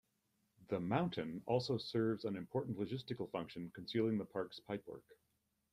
The "mountain" also serves an important logistical function, concealing the park's pipework.